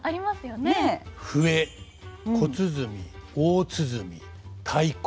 笛小鼓大鼓太鼓